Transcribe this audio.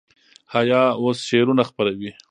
حیا اوس شعرونه خپروي.